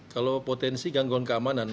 kalau potensi gangguan keamanan